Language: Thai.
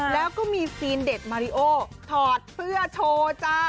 แล้วก็มีซีนเด็ดมาริโอถอดเสื้อโชว์จ้า